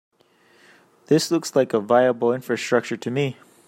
This looks like a viable infrastructure to me.